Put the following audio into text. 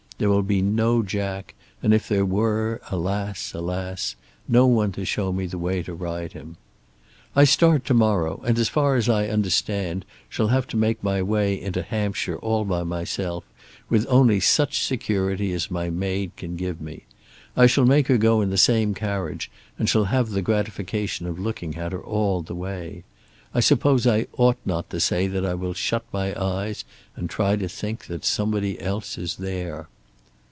There will be no Jack; and if there were, alas, alas, no one to show me the way to ride him. I start to morrow, and as far as I understand, shall have to make my way into Hampshire all by myself, with only such security as my maid can give me. I shall make her go in the same carriage and shall have the gratification of looking at her all the way. I suppose I ought not to say that I will shut my eyes and try to think that somebody else is there.